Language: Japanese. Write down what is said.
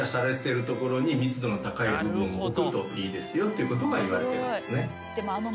といいですよってことがいわれてるんですね。